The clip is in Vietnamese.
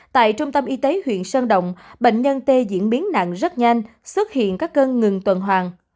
tại trung tâm y tế huyện sơn động bệnh nhân t diễn biến nạn rất nhanh xuất hiện các cân ngừng tuần hoàng